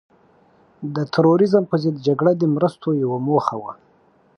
د تروریزم په ضد جګړه د مرستو یوه موخه وه.